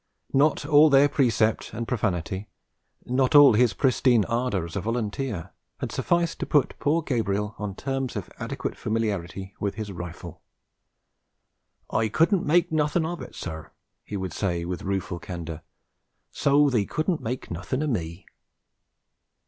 Not all their precept and profanity, not all his pristine ardour as a volunteer, had sufficed to put poor Gabriel on terms of adequate familiarity with his rifle. 'I couldn' make nothin' of it, sir,' he would say with rueful candour. 'So they couldn' make nothin' o' me.'